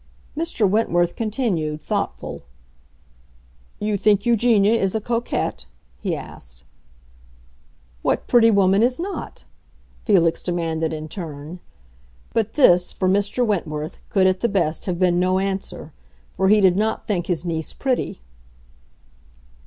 Mr. Wentworth continued thoughtful. "You think Eugenia is a coquette?" he asked. "What pretty woman is not?" Felix demanded in turn. But this, for Mr. Wentworth, could at the best have been no answer, for he did not think his niece pretty.